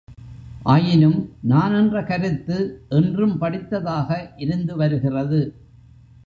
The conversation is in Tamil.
ஆயினும், நான் என்ற கருத்து என்றும் படித்தாக இருந்து வருகிறது.